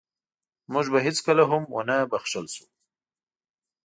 موږ به هېڅکله هم ونه بښل شو.